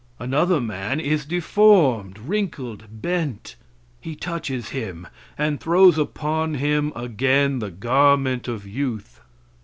Another man is deformed, wrinkled, bent. He touches him and throws upon him again the garment of youth.